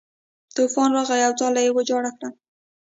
طوفان راغی او ځاله یې ویجاړه کړه.